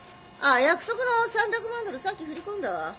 ああ約束の３００万ドルさっき振り込んだわ。